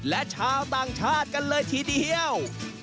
และชาวต่างชาติกันเลยทีเดียว